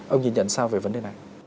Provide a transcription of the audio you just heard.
ông nhìn nhận sao về vấn đề này